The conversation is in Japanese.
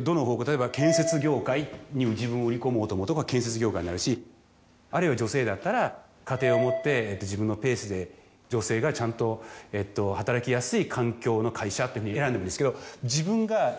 例えば建設業界に自分を売り込もうと思うとここは建設業界になるしあるいは女性だったら家庭を持って自分のペースで女性がちゃんと働きやすい環境の会社って選んでもいいんですけど自分が。